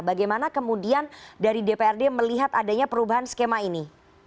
bagaimana kemudian dari dprd melihat adanya perubahan skema ini